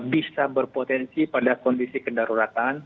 yang bisa berpotensi pada kondisi kendaruratan